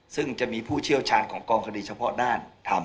ซึ่งจะมีผู้เชี่ยวชาญของกองคดีเฉพาะด้านทำ